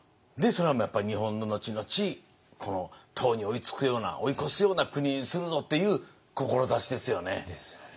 それはやっぱり日本の後々唐に追いつくような追い越すような国にするぞっていう志ですよね。ですよね。